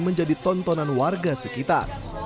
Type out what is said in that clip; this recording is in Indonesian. menjadi tontonan warga sekitar